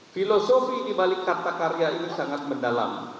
filosofi di balik kata karya ini sangat mendalam